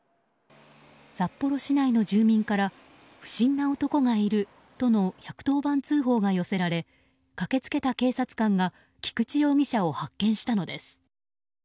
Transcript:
札幌市内の住民から不審な男がいるとの１１０番通報が寄せられ駆け付けた警察官が菊池容疑者を発見したのです。